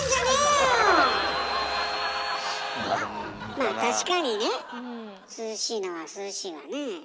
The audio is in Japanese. まあ確かにね涼しいのは涼しいわねえ。